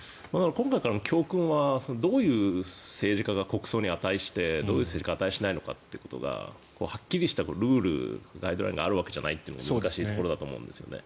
今回の教訓はどういう政治家が国葬に値してどういう政治家が値しないのかっていうのがはっきりとしたルールやガイドラインがあるわけじゃないというところが難しいと思うんですよね。